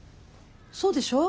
そうでしょう。